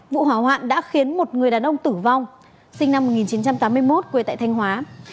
vụ hỏa hoạn đã khiến một người đàn ông tử vong sinh năm một nghìn chín trăm tám mươi một quê tại thanh hóa